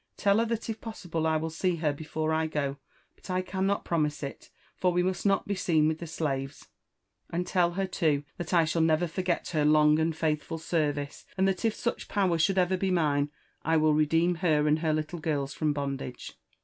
Tell her (hat if possible I will see her before I go ; but I cannot promise it, for we must not be seen with the slaves : and tell her too that I shall never forget her long and faithful service — and that if such power should be ever mine, I will redeem her and her Utile girls from bondage."